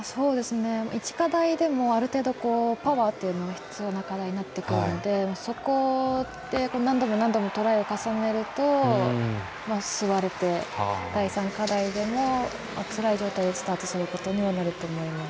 １課題でもある程度、パワーっていうのが必要になってくるのでそこで何度もトライを重ねると吸われて、第３課題でもつらい状態でスタートすることになるとは思います。